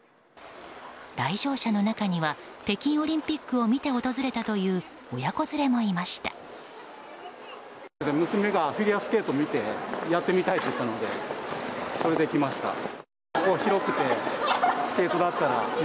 来場者の中には北京オリンピックを見て訪れたという親子連れもいました。